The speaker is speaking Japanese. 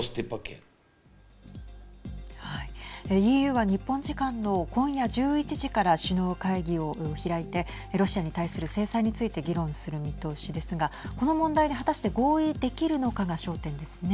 ＥＵは日本時間の今夜１１時から首脳会議を開いてロシアに対する制裁について議論する見通しですがこの問題で、果たして合意できるのかが焦点ですね。